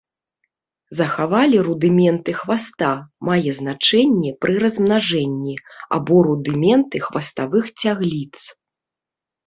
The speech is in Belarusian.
Захавалі рудыменты хваста, мае значэнне пры размнажэнні, або рудыменты хваставых цягліц.